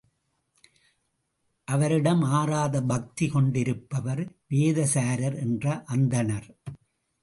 அவரிடம் ஆறாத பக்தி கொண்டிருப்பவர் வேதசாரர் என்ற அந்தணர்.